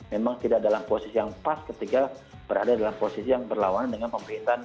memang tidak dalam posisi yang pas ketika berada dalam posisi yang berlawanan dengan pemerintahan